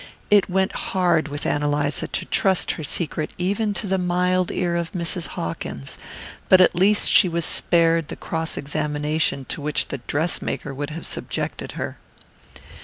It went hard with Ann Eliza to trust her secret even to the mild ear of Mrs. Hawkins, but at least she was spared the cross examination to which the dress maker would have subjected her.